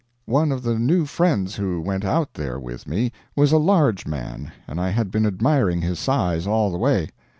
One of the new friends who went out there with me was a large man, and I had been admiring his size all the way.